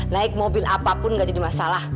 naik mobil apapun nggak jadi masalah